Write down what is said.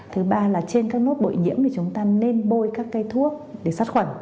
thứ ba là trên các nốt bội nhiễm thì chúng ta nên bôi các cây thuốc để sát khuẩn